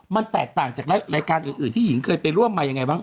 มันแตกต่างจากรายการอื่นที่หญิงเคยไปร่วมมายังไงบ้าง